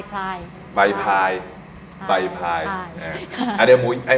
ปลาย